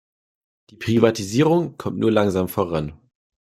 Die Privatisierung kommt nur langsam voran.